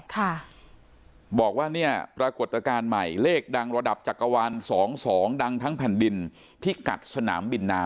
ค่ะบอกว่าเนี่ยปรากฏการณ์ใหม่เลขดังระดับจักรวาลสองสองดังทั้งแผ่นดินพิกัดสนามบินนา